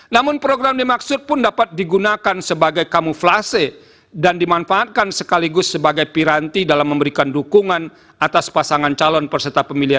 namun program dimaksud pun dapat digunakan sebagai kamuflase dan dimanfaatkan sekaligus sebagai piranti